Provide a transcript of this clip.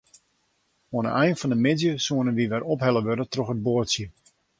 Oan 'e ein fan 'e middei soene wy wer ophelle wurde troch it boatsje.